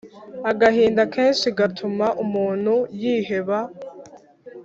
agahinda kenshi gatuma umuntu yiheba